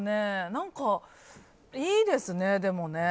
何か、いいですね、でもね。